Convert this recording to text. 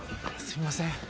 すみません。